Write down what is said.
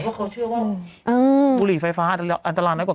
เขาเชื่อว่าบุหรี่ไฟฟ้าอันตรายน้อยกว่า